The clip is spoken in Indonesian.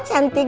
aduh aduh aduh